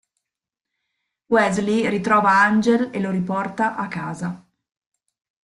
Wesley ritrova Angel e lo riporta a casa.